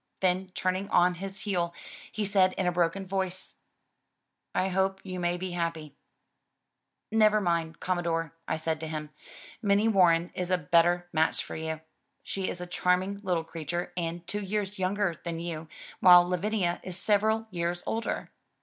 Then, turning on his heel, he said in a broken voice: "I hope you may be happy." "Never mind. Commodore," I said to him, "Minnie Warren is a better match for you; she is a charming little creature and two years younger than you, while Lavinia is several years older."